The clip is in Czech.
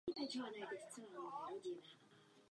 Prakticky každá scéna ve filmu je převzata z románu.